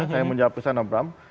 saya menjawab kesana bram